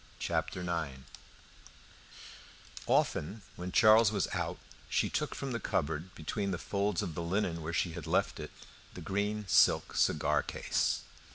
Chapter Nine Often when Charles was out she took from the cupboard, between the folds of the linen where she had left it, the green silk cigar case.